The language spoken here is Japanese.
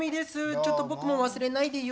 ちょっと僕も忘れないでよ。